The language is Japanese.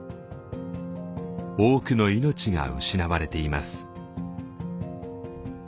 多くの命が失われています。